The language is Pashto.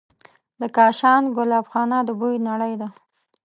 د کاشان ګلابخانه د بوی نړۍ ده.